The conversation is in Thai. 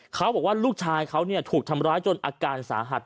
เขาบอกว่าลูกชายเขาถูกทำร้ายจนอาการสาหัส